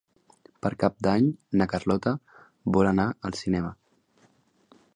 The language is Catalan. Per Cap d'Any na Carlota vol anar al cinema.